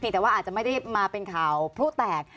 แต่ว่าอาจจะไม่ได้มาเป็นข่าวผู้แตก